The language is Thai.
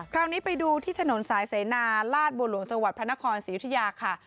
คราวนี้ไปดูที่ถนนสายเสนาลาดบัวหลวงจังหวัดพระนครศรียุธยาค่ะ